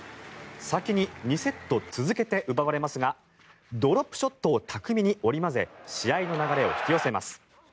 先に２セット続けて奪われますがドロップショットを巧みに織り交ぜ試合の流れを引き寄せます。